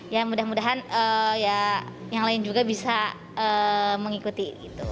ya mudah mudahan yang lain juga bisa mengikuti